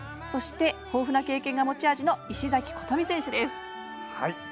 そして、豊富な経験が持ち味の石崎琴美選手です。